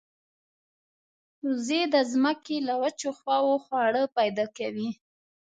وزې د زمکې له وچو خواوو خواړه پیدا کوي